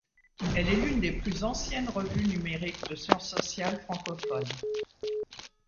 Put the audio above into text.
Elle est une des plus anciennes revues numériques de sciences sociales francophone.